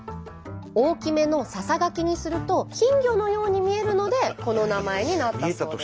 大きめのささがきにすると金魚のように見えるのでこの名前になったそうです。